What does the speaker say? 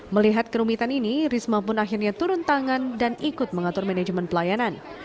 melihat kerumitan ini risma pun akhirnya turun tangan dan ikut mengatur manajemen pelayanan